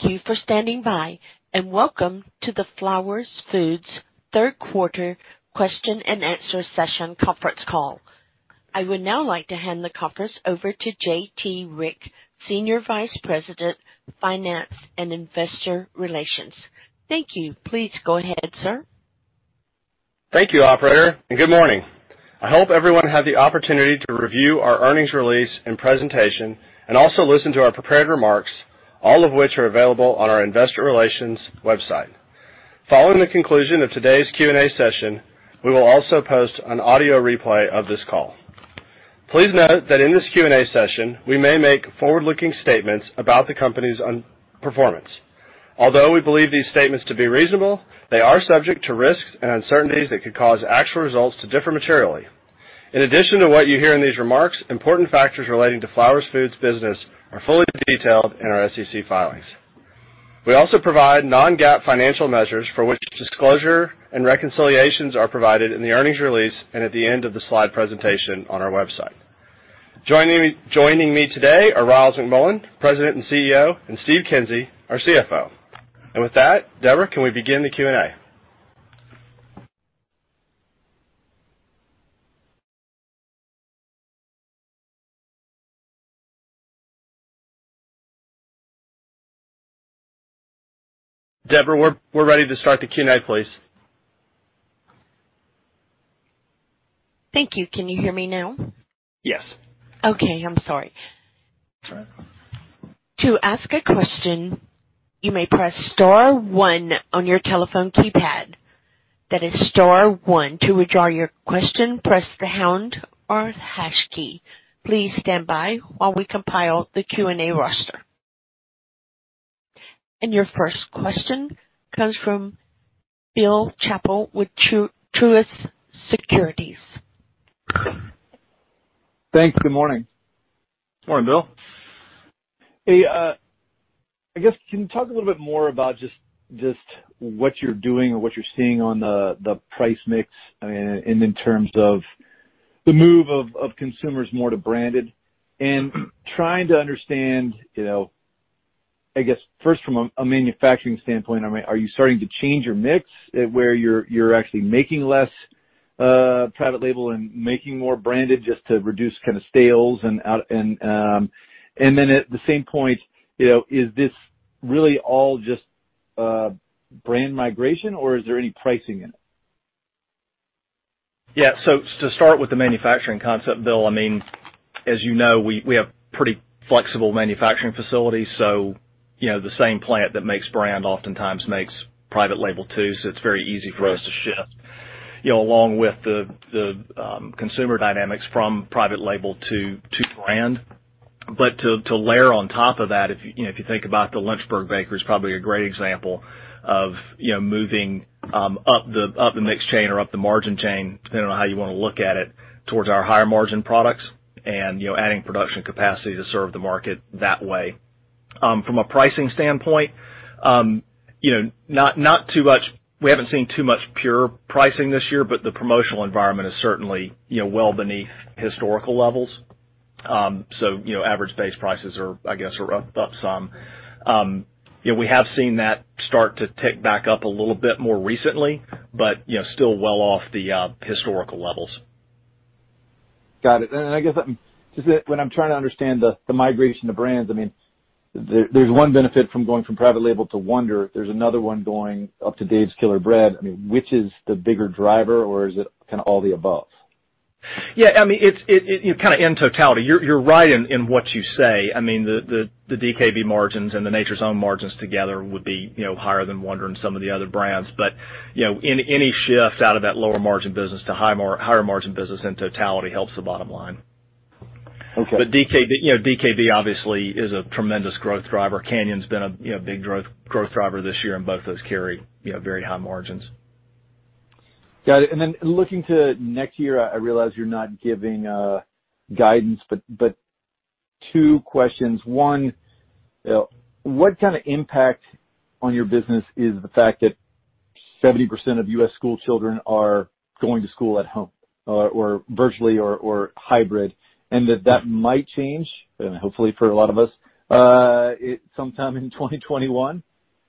Thank you for standing by, and welcome to the Flowers Foods third quarter question-and-answer session conference call. I would now like to hand the conference over to J.T. Rieck, Senior Vice President, Finance and Investor Relations. Thank you. Please go ahead, sir. Thank you, operator. Good morning. I hope everyone had the opportunity to review our earnings release and presentation and also listen to our prepared remarks, all of which are available on our investor relations website. Following the conclusion of today's Q&A session, we will also post an audio replay of this call. Please note that in this Q&A session, we may make forward-looking statements about the company's performance. Although we believe these statements to be reasonable, they are subject to risks and uncertainties that could cause actual results to differ materially. In addition to what you hear in these remarks, important factors relating to Flowers Foods business are fully detailed in our SEC filings. We also provide non-GAAP financial measures for which disclosure and reconciliations are provided in the earnings release and at the end of the slide presentation on our website. Joining me today are Ryals McMullian, President and CEO, and Steve Kinsey, our CFO. With that, Debra, can we begin the Q&A? Debra, we're ready to start the Q&A, please. Thank you. Can you hear me now? Yes. Okay. I'm sorry. That's all right. To ask a question, you may press star one on your telephone keypad. That is star one. To withdraw your question, press the pound or hash key. Please stand by while we compile the Q&A roster. Your first question comes from Bill Chappell with Truist Securities. Thanks. Good morning. Morning, Bill. Hey. I guess can you talk a little bit more about just what you're doing or what you're seeing on the price mix, and in terms of the move of consumers more to branded and trying to understand, I guess first from a manufacturing standpoint, are you starting to change your mix where you're actually making less private label and making more branded just to reduce kind of sales? At the same point, is this really all just brand migration, or is there any pricing in it? Yeah. To start with the manufacturing concept, Bill, as you know, we have pretty flexible manufacturing facilities, so the same plant that makes brand oftentimes makes private label too. It's very easy for us to shift along with the consumer dynamics from private label to brand. To layer on top of that, if you think about the Lynchburg bakery is probably a great example of moving up the mix chain or up the margin chain, depending on how you want to look at it, towards our higher margin products and adding production capacity to serve the market that way. From a pricing standpoint, we haven't seen too much pure pricing this year, but the promotional environment is certainly well beneath historical levels. Average base prices are, I guess, up some. We have seen that start to tick back up a little bit more recently, but still well off the historical levels. Got it. Then I guess what I'm trying to understand the migration to brands. There's one benefit from going from private label to Wonder. There's another one going up to Dave's Killer Bread. Which is the bigger driver, or is it kind of all the above? Yeah. In totality, you're right in what you say. The DKB margins and the Nature's Own margins together would be higher than Wonder and some of the other brands. Any shift out of that lower margin business to higher margin business in totality helps the bottom line. Okay. DKB, obviously, is a tremendous growth driver. Canyon's been a big growth driver this year, and both those carry very high margins. Got it. Then looking to next year, I realize you're not giving guidance, but two questions. One, what kind of impact on your business is the fact that 70% of U.S. school children are going to school at home or virtually or hybrid, and that that might change, and hopefully for a lot of us, sometime in 2021?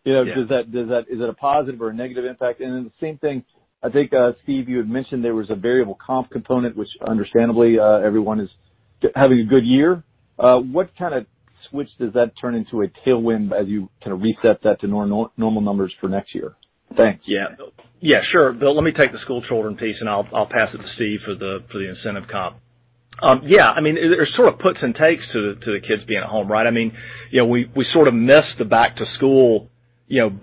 Yeah. Is it a positive or a negative impact? The same thing, I think, Steve, you had mentioned there was a variable comp component, which understandably everyone is having a good year. What kind of switch does that turn into a tailwind as you kind of reset that to normal numbers for next year? Thanks. Yeah. Sure. Bill, let me take the school children piece. I'll pass it to Steve for the incentive comp. There's sort of puts and takes to the kids being at home, right? We sort of miss the back to school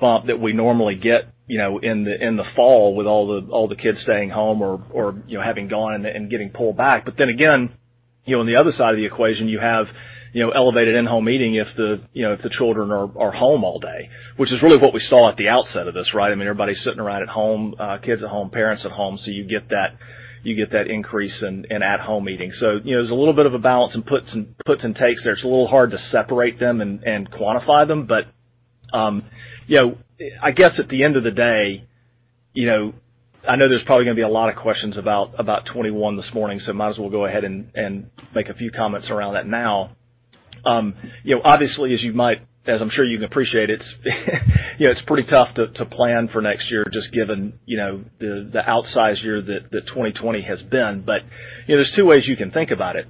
bump that we normally get in the fall with all the kids staying home or having gone and getting pulled back. Again, on the other side of the equation, you have elevated in-home eating if the children are home all day, which is really what we saw at the outset of this, right? Everybody's sitting around at home, kids at home, parents at home. You get that increase in at home eating. There's a little bit of a balance and puts and takes there. It's a little hard to separate them and quantify them. I guess at the end of the day. I know there's probably going to be a lot of questions about 2021 this morning, so might as well go ahead and make a few comments around that now. Obviously, as I'm sure you can appreciate, it's pretty tough to plan for next year, just given the outsize year that 2020 has been. There's two ways you can think about it.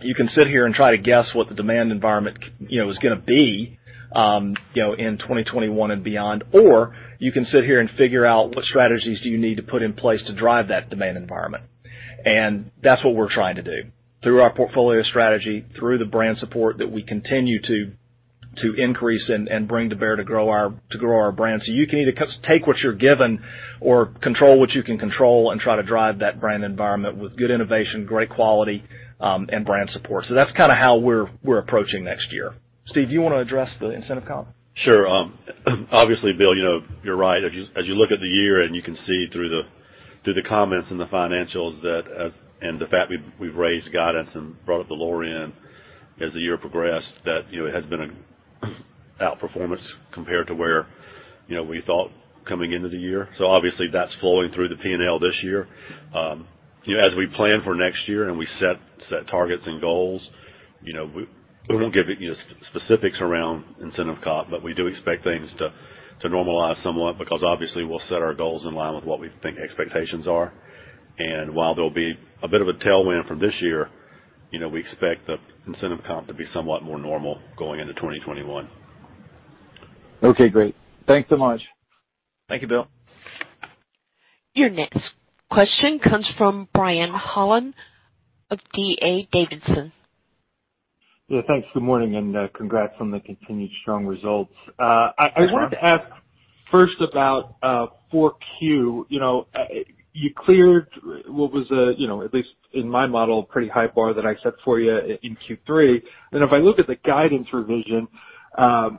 You can sit here and try to guess what the demand environment is going to be in 2021 and beyond, or you can sit here and figure out what strategies do you need to put in place to drive that demand environment. That's what we're trying to do through our portfolio strategy, through the brand support that we continue to increase and bring to bear to grow our brands. You can either take what you're given or control what you can control and try to drive that brand environment with good innovation, great quality, and brand support. That's how we're approaching next year. Steve, do you want to address the incentive comp? Sure. Obviously, Bill, you're right. As you look at the year and you can see through the comments and the financials and the fact we've raised guidance and brought up the lower end as the year progressed, that it has been an outperformance compared to where we thought coming into the year. Obviously that's flowing through the P&L this year. As we plan for next year and we set targets and goals, we won't give you specifics around incentive comp, but we do expect things to normalize somewhat, because obviously we'll set our goals in line with what we think expectations are. While there'll be a bit of a tailwind from this year, we expect the incentive comp to be somewhat more normal going into 2021. Okay, great. Thanks so much. Thank you, Bill. Your next question comes from Brian Holland of D.A. Davidson. Yeah, thanks. Good morning, and congrats on the continued strong results. Sure. I wanted to ask first about 4Q. You cleared what was, at least in my model, a pretty high bar that I set for you in Q3. If I look at the guidance revision, the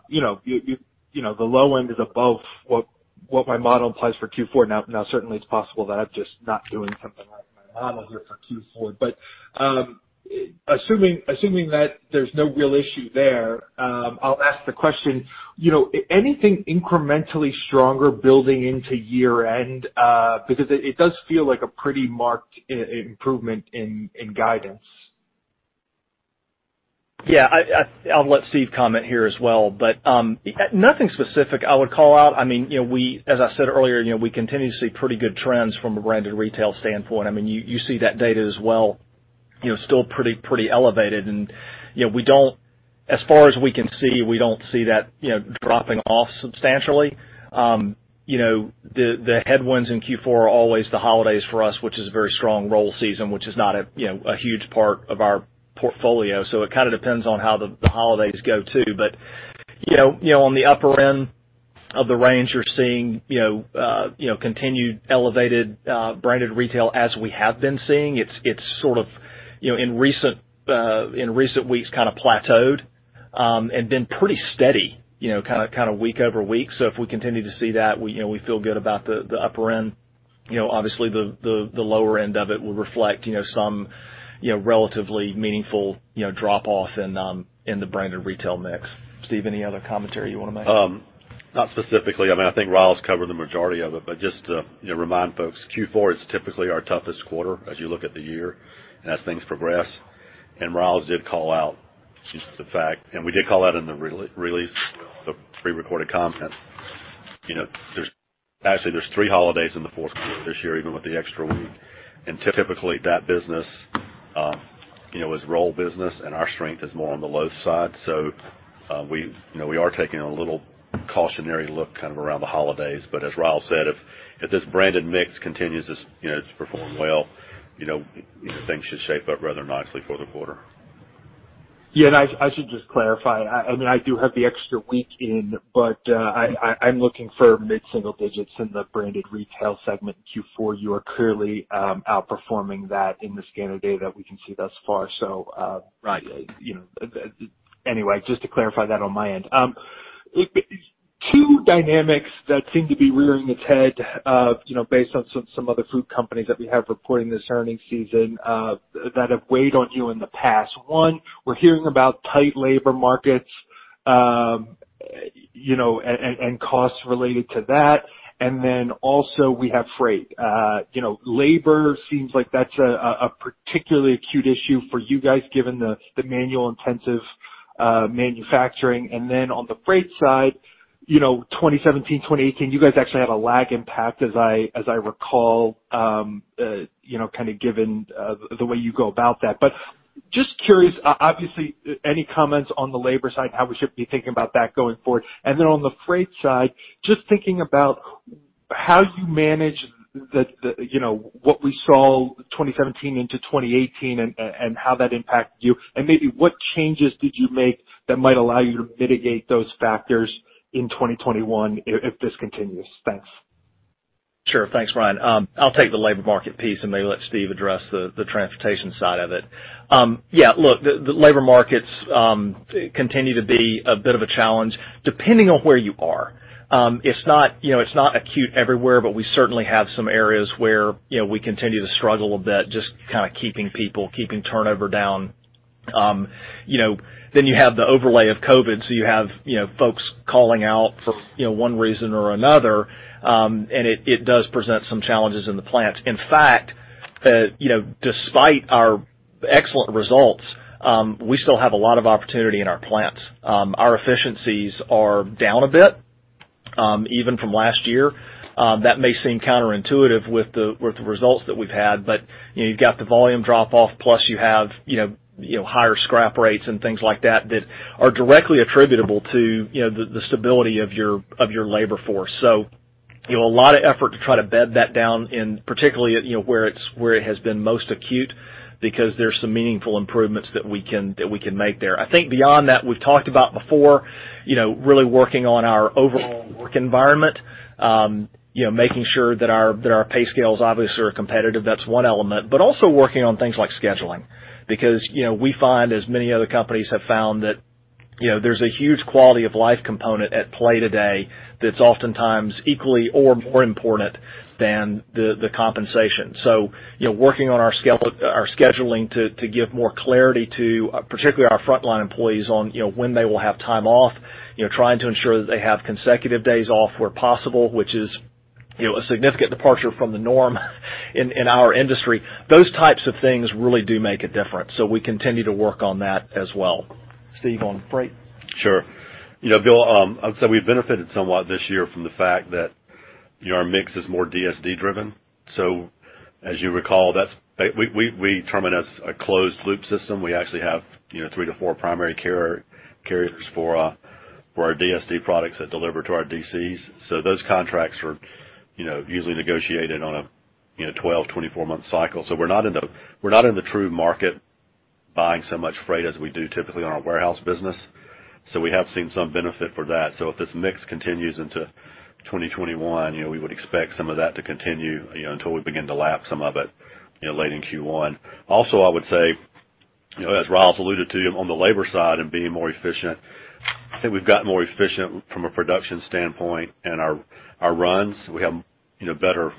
low end is above what my model implies for Q4. Now, certainly it's possible that I'm just not doing something right in my model here for Q4. Assuming that there's no real issue there, I'll ask the question, anything incrementally stronger building into year-end? It does feel like a pretty marked improvement in guidance. Yeah. I'll let Steve comment here as well, but nothing specific I would call out. As I said earlier, we continue to see pretty good trends from a branded retail standpoint. You see that data as well, still pretty elevated. As far as we can see, we don't see that dropping off substantially. The headwinds in Q4 are always the holidays for us, which is a very strong roll season, which is not a huge part of our portfolio. It depends on how the holidays go, too. On the upper end of the range, you're seeing continued elevated branded retail as we have been seeing. It's in recent weeks kind of plateaued and been pretty steady week over week. If we continue to see that, we feel good about the upper end. Obviously, the lower end of it will reflect some relatively meaningful drop-off in the branded retail mix. Steve, any other commentary you want to make? Not specifically. I think Ryals covered the majority of it, just to remind folks, Q4 is typically our toughest quarter as you look at the year and as things progress. Ryals did call out the fact, and we did call out in the release, the prerecorded comments. Actually, there's three holidays in the fourth quarter this year, even with the extra week. Typically, that business is roll business and our strength is more on the low side. We are taking a little cautionary look around the holidays. As Ryals said, if this branded mix continues to perform well, things should shape up rather nicely for the quarter. Yeah, I should just clarify. I do have the extra week in, I'm looking for mid-single digits in the branded retail segment in Q4. You are clearly outperforming that in the scanner data we can see thus far. Right. Anyway, just to clarify that on my end. Two dynamics that seem to be rearing its head based on some other food companies that we have reporting this earnings season that have weighed on you in the past. One, we're hearing about tight labor markets and costs related to that. We have freight. Labor seems like that's a particularly acute issue for you guys given the manual intensive manufacturing. On the freight side, 2017, 2018, you guys actually had a lag impact as I recall, given the way you go about that. Just curious, obviously, any comments on the labor side, how we should be thinking about that going forward? Then on the freight side, just thinking about how you manage what we saw 2017 into 2018 and how that impacted you, and maybe what changes did you make that might allow you to mitigate those factors in 2021 if this continues? Thanks. Sure. Thanks, Brian. I'll take the labor market piece and maybe let Steve address the transportation side of it. Yeah, look, the labor markets continue to be a bit of a challenge depending on where you are. It's not acute everywhere, but we certainly have some areas where we continue to struggle a bit, just keeping people, keeping turnover down. You have the overlay of COVID, so you have folks calling out for one reason or another. It does present some challenges in the plants. In fact, despite our excellent results, we still have a lot of opportunity in our plants. Our efficiencies are down a bit, even from last year. That may seem counterintuitive with the results that we've had, but you've got the volume drop-off, plus you have higher scrap rates and things like that are directly attributable to the stability of your labor force. A lot of effort to try to bed that down in particularly, where it has been most acute, because there's some meaningful improvements that we can make there. I think beyond that, we've talked about before, really working on our overall work environment. Making sure that our pay scales obviously are competitive, that's one element, but also working on things like scheduling. Because we find, as many other companies have found, that there's a huge quality-of-life component at play today that's oftentimes equally or more important than the compensation. Working on our scheduling to give more clarity to particularly our frontline employees on when they will have time off, trying to ensure that they have consecutive days off where possible, which is a significant departure from the norm in our industry. Those types of things really do make a difference. We continue to work on that as well. Steve, on freight? Sure. Brian, I'd say we've benefited somewhat this year from the fact that our mix is more DSD-driven. As you recall, we term it as a closed-loop system. We actually have three to four primary carriers for our DSD products that deliver to our DCs. Those contracts are usually negotiated on a 12, 24-month cycle. We're not in the true market buying so much freight as we do typically on our warehouse business. We have seen some benefit for that. If this mix continues into 2021, we would expect some of that to continue until we begin to lap some of it late in Q1. Also, I would say, as Ryals alluded to, on the labor side and being more efficient, I think we've gotten more efficient from a production standpoint and our runs. We have better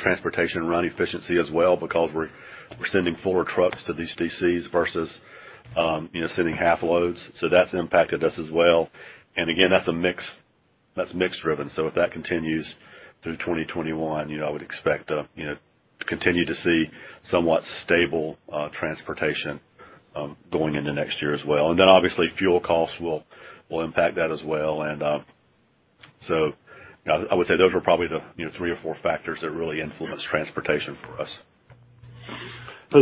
transportation run efficiency as well because we're sending fuller trucks to these DCs versus sending half loads. That's impacted us as well. Again, that's mix-driven. If that continues through 2021, I would expect to continue to see somewhat stable transportation going into next year as well. Obviously, fuel costs will impact that as well. I would say those are probably the three or four factors that really influence transportation for us.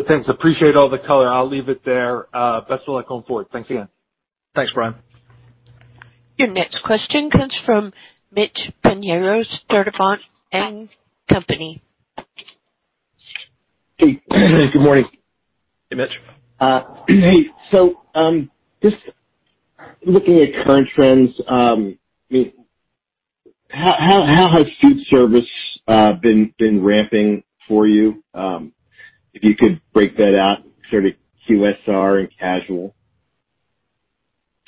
Thanks. Appreciate all the color. I'll leave it there. Best of luck going forward. Thanks again. Thanks, Brian. Your next question comes from Mitch Pinheiro, Sturdivant & Co. Good morning. Hey, Mitch. Hey. Just looking at current trends, how has food service been ramping for you? If you could break that out sort of QSR and casual.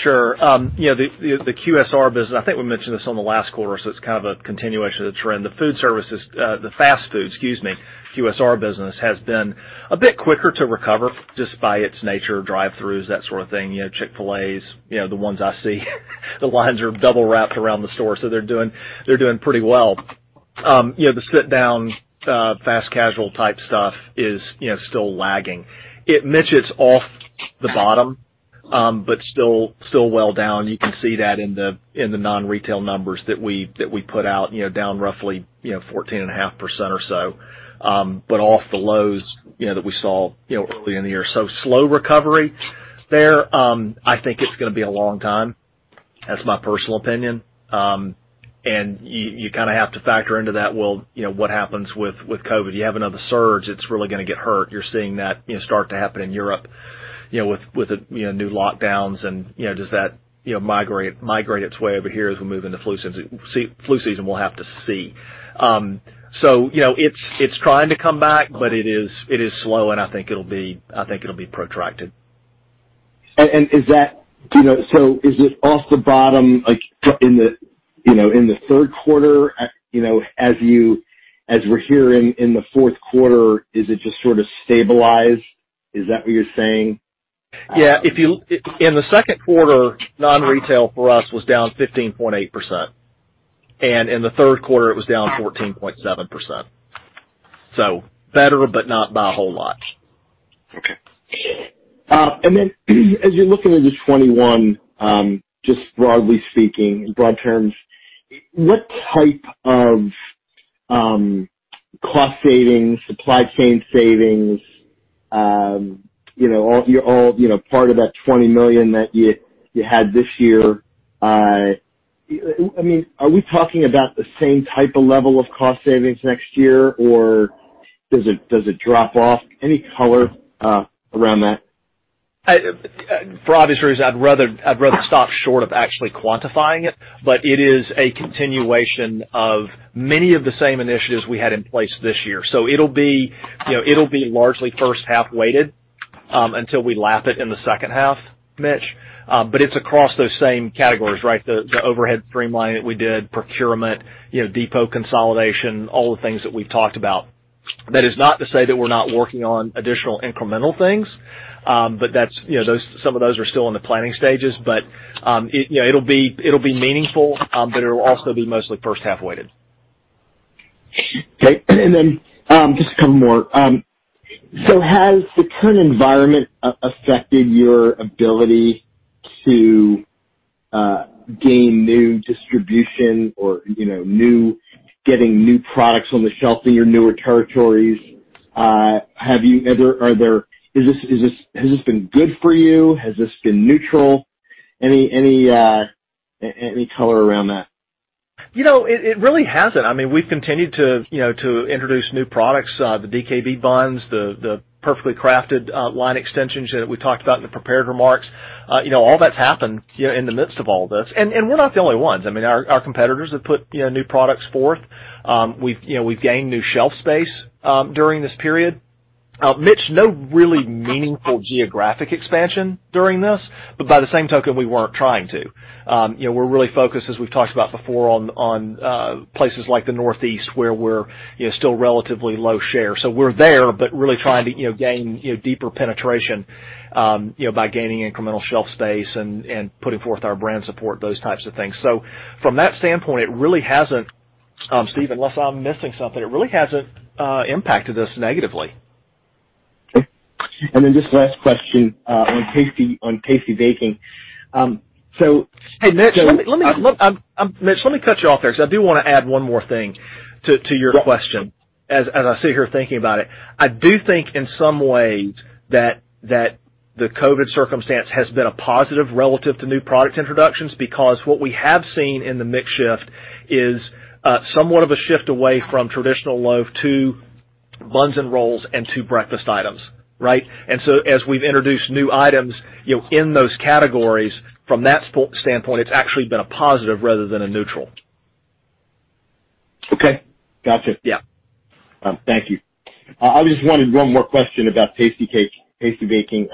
Sure. The QSR business, I think we mentioned this on the last quarter, so it's kind of a continuation of the trend. The food services, the fast food, excuse me, QSR business has been a bit quicker to recover just by its nature, drive-throughs, that sort of thing. Chick-fil-A's the ones I see. The lines are double wrapped around the store. They're doing pretty well. The sit-down, fast casual type stuff is still lagging. Mitch, it's off the bottom, but still well down. You can see that in the non-retail numbers that we put out, down roughly, 14.5% or so. Off the lows that we saw early in the year. Slow recovery there. I think it's gonna be a long time. That's my personal opinion. You kind of have to factor into that, well, what happens with COVID? You have another surge, it's really going to get hurt. You're seeing that start to happen in Europe, with the new lockdowns and does that migrate its way over here as we move into flu season? We'll have to see. It's trying to come back, but it is slow, and I think it'll be protracted. Is it off the bottom, like in the third quarter, as we're here in the fourth quarter, is it just sort of stabilized? Is that what you're saying? Yeah. In the second quarter, non-retail for us was down 15.8%. In the third quarter, it was down 14.7%. Better, but not by a whole lot. Okay. As you're looking into 2021, just broadly speaking, in broad terms, what type of cost savings, supply chain savings, part of that $20 million that you had this year, are we talking about the same type of level of cost savings next year, or does it drop off? Any color around that? For obvious reasons, I'd rather stop short of actually quantifying it. It is a continuation of many of the same initiatives we had in place this year. It'll be largely first-half weighted until we lap it in the second half, Mitch. It's across those same categories, right? The overhead streamlining that we did, procurement, depot consolidation, all the things that we've talked about. That is not to say that we're not working on additional incremental things. Some of those are still in the planning stages, but it'll be meaningful, but it'll also be mostly first half weighted. Okay. Just a couple more. Has the current environment affected your ability to gain new distribution or getting new products on the shelf in your newer territories? Has this been good for you? Has this been neutral? Any color around that? It really hasn't. We've continued to introduce new products, the DKB buns, the Perfectly Crafted line extensions that we talked about in the prepared remarks. All that's happened in the midst of all this. We're not the only ones. Our competitors have put new products forth. We've gained new shelf space during this period. Mitch, no really meaningful geographic expansion during this, by the same token, we weren't trying to. We're really focused, as we've talked about before, on places like the Northeast, where we're still relatively low share. We're there, really trying to gain deeper penetration by gaining incremental shelf space and putting forth our brand support, those types of things. From that standpoint, it really hasn't, Steve, unless I'm missing something, it really hasn't impacted us negatively. Okay. Then just last question on Tasty Baking. Hey, Mitch, let me cut you off there, because I do want to add one more thing to your question, as I sit here thinking about it. I do think in some ways that the COVID circumstance has been a positive relative to new product introductions, because what we have seen in the mix shift is somewhat of a shift away from traditional loaf to buns and rolls and to breakfast items. Right? As we've introduced new items in those categories, from that standpoint, it's actually been a positive rather than a neutral. Okay. Got you. Yeah. Thank you. I just wanted one more question about Tasty Baking.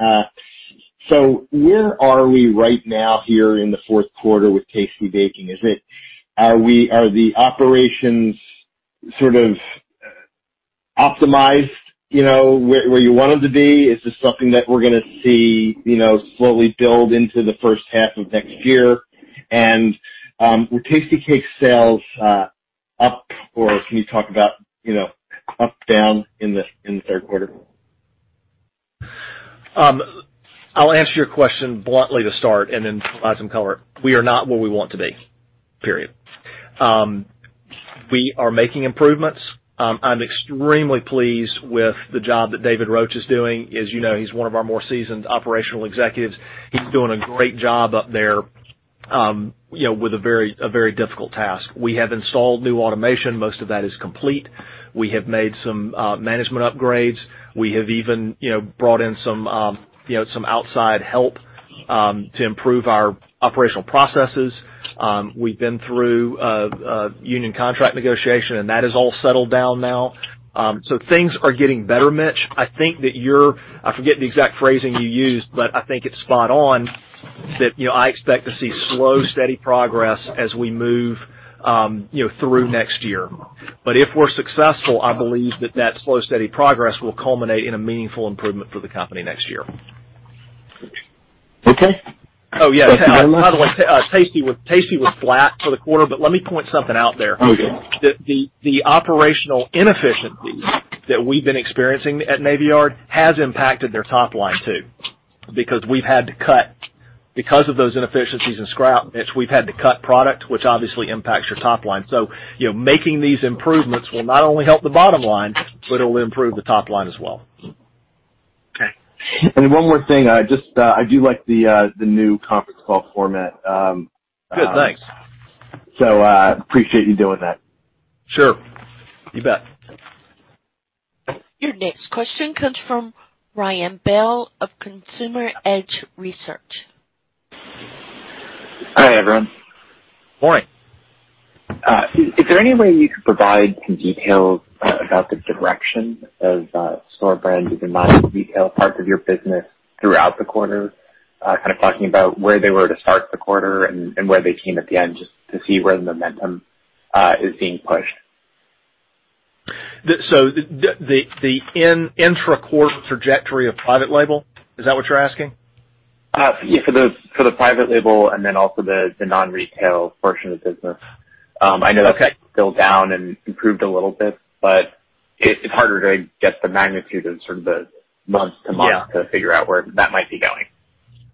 Where are we right now here in the fourth quarter with Tasty Baking? Are the operations sort of optimized where you want them to be? Is this something that we're going to see slowly build into the first half of next year? Were Tastykake sales up, or can you talk about up, down in the third quarter? I'll answer your question bluntly to start, and then provide some color. We are not where we want to be, period. We are making improvements. I'm extremely pleased with the job that David Roach is doing. As you know, he's one of our more seasoned operational executives. He's doing a great job up there with a very difficult task. We have installed new automation. Most of that is complete. We have made some management upgrades. We have even brought in some outside help to improve our operational processes. We've been through union contract negotiation, and that is all settled down now. Things are getting better, Mitch. I think that I forget the exact phrasing you used, but I think it's spot on that I expect to see slow, steady progress as we move through next year. If we're successful, I believe that that slow, steady progress will culminate in a meaningful improvement for the company next year. Okay. Oh, yeah. Thanks very much. By the way, Tasty was flat for the quarter. Let me point something out there. Okay. The operational inefficiencies that we've been experiencing at Navy Yard has impacted their top line, too. Because of those inefficiencies in scrap, Mitch, we've had to cut product, which obviously impacts your top line. Making these improvements will not only help the bottom line, but it'll improve the top line as well. Okay. One more thing. I do like the new conference call format. Good, thanks. Appreciate you doing that. Sure. You bet. Your next question comes from Ryan Bell of Consumer Edge Research. Hi, everyone. Morning. Is there any way you could provide some details about the direction of store brand retail parts of your business throughout the quarter? Kind of talking about where they were to start the quarter and where they came at the end, just to see where the momentum is being pushed. The intra-quarter trajectory of private label, is that what you're asking? Yeah, for the private label and then also the non-retail portion of the business. Okay. I know that's still down and improved a little bit, but it's harder to get the magnitude of sort of the month-to-month to figure out where that might be going.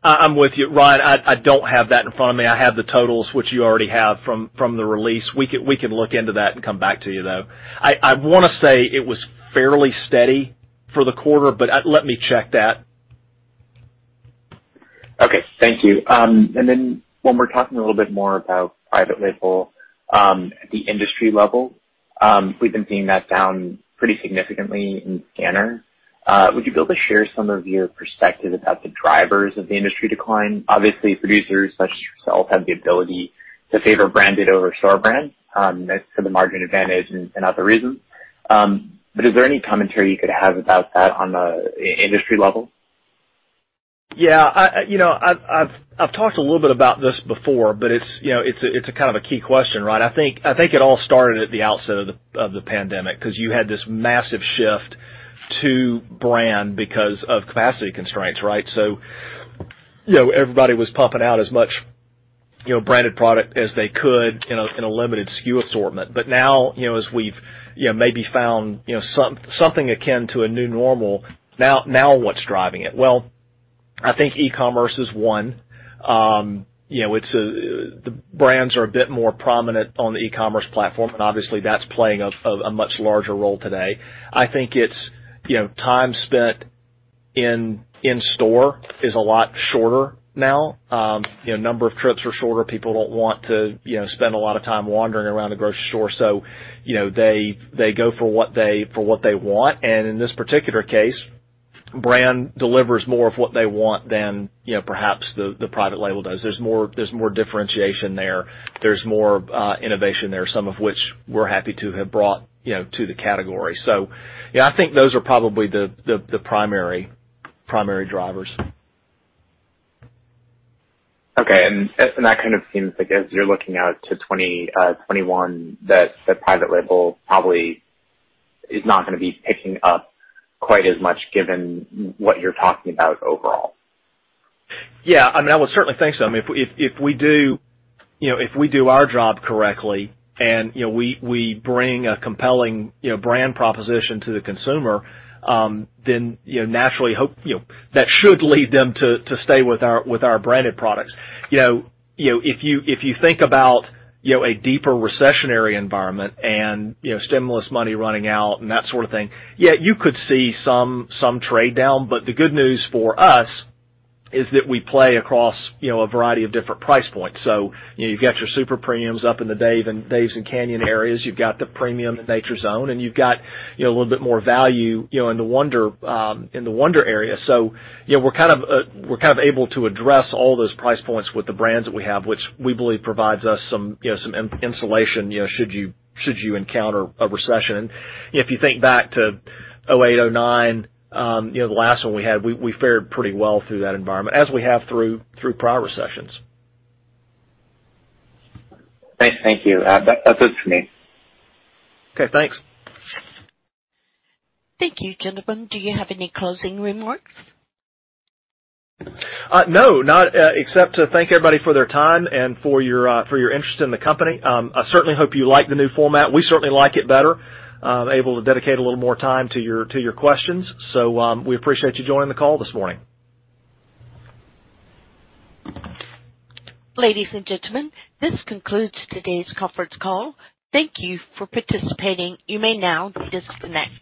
I'm with you, Ryan. I don't have that in front of me. I have the totals, which you already have from the release. We can look into that and come back to you, though. I want to say it was fairly steady for the quarter. Let me check that. Okay. Thank you. When we're talking a little bit more about private label at the industry level, we've been seeing that down pretty significantly in scanner. Would you be able to share some of your perspective about the drivers of the industry decline? Obviously, producers such as yourself have the ability to favor branded over store brand for the margin advantage and other reasons. Is there any commentary you could have about that on the industry level? Yeah. I've talked a little bit about this before, but it's a kind of a key question, right? I think it all started at the outset of the pandemic because you had this massive shift to brand because of capacity constraints, right? Everybody was pumping out as much branded product as they could in a limited SKU assortment. Now, as we've maybe found something akin to a new normal, now what's driving it? I think e-commerce is one. The brands are a bit more prominent on the e-commerce platform, and obviously that's playing a much larger role today. I think it's time spent in store is a lot shorter now. Number of trips are shorter. People don't want to spend a lot of time wandering around the grocery store. They go for what they want. In this particular case, brand delivers more of what they want than perhaps the private label does. There's more differentiation there. There's more innovation there, some of which we're happy to have brought to the category. Yeah, I think those are probably the primary drivers. Okay. That kind of seems like as you're looking out to 2021, that the private label probably is not going to be picking up quite as much given what you're talking about overall. Yeah. I mean, I would certainly think so. If we do our job correctly and we bring a compelling brand proposition to the consumer, then naturally hope that should lead them to stay with our branded products. If you think about a deeper recessionary environment and stimulus money running out and that sort of thing, yeah, you could see some trade down. The good news for us is that we play across a variety of different price points. You've got your super premiums up in the Dave's and Canyon areas. You've got the premium in Nature's Own, and you've got a little bit more value in the Wonder area. We're kind of able to address all those price points with the brands that we have, which we believe provides us some insulation should you encounter a recession. If you think back to 2008, 2009, the last one we had, we fared pretty well through that environment, as we have through prior recessions. Great. Thank you. That's it for me. Okay, thanks. Thank you. Gentlemen, do you have any closing remarks? No, except to thank everybody for their time and for your interest in the company. I certainly hope you like the new format. We certainly like it better, able to dedicate a little more time to your questions. We appreciate you joining the call this morning. Ladies and gentlemen, this concludes today's conference call. Thank you for participating. You may now disconnect.